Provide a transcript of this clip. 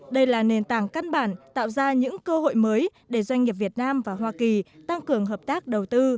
đây là nền tảng căn bản tạo ra những cơ hội mới để doanh nghiệp việt nam và hoa kỳ tăng cường hợp tác đầu tư